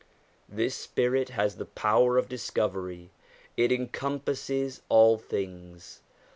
This spirit has the power of discovery ; it encompasses all things.